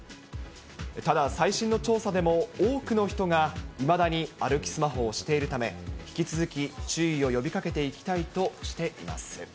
ただ、最新の調査でも、多くの人がいまだに歩きスマホをしているため、引き続き注意を呼びかけていきたいとしています。